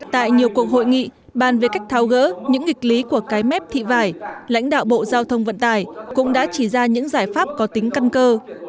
tại nhiều cuộc hội nghị bàn về cách tháo gỡ những nghịch lý của cái mép thị vải lãnh đạo bộ giao thông vận tải cũng đã chỉ ra những giải pháp có tính căn cơ